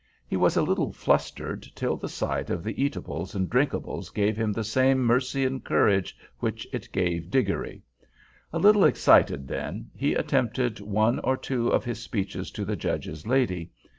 He was a little flustered, till the sight of the eatables and drinkables gave him the same Mercian courage which it gave Diggory. A little excited then, he attempted one or two of his speeches to the Judge's lady.